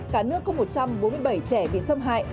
cả nước có một trăm bốn mươi bảy trẻ bị xâm hại